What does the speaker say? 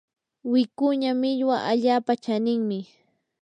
wikuña millwa allaapa chaninmi.